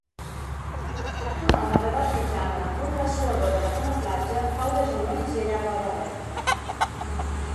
Un home d'edat mitjana amb una dessuadora de camuflatge cau de genolls i allarga el barret.